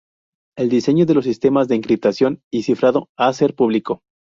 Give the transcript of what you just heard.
El diseño de los sistemas de encriptación y cifrado ha ser público